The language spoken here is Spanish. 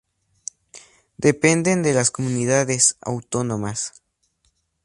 Dependen de las Comunidades Autónomas.